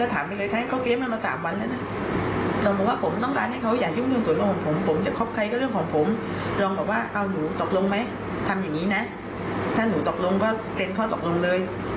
ทำอย่างนี้นะถ้าหนูตกลงก็เซ็นเขาตกลงเลย